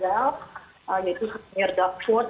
yaitu premier doug ford